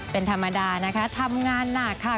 เป็นธรรมดานะคะทำงานหนักค่ะ